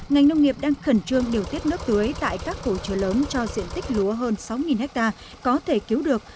ngành nông nghiệp đang khẩn trương điều tiết nước tưới tại các hồ chứa lớn cho diện tích lúa hơn sáu ha có thể cứu được